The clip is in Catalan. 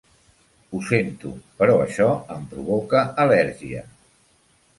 Ho sento, però això em provoca al·lèrgia.